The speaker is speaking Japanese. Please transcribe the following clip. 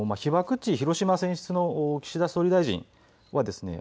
被爆地、広島選出の岸田総理はですね。